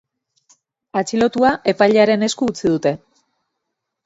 Atxilotua, epailearen esku utzi dute.